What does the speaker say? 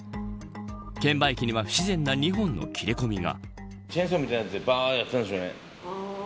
券売機には不自然な２本の切れ込みが。